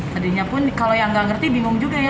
tadinya pun kalau yang nggak ngerti bingung juga ya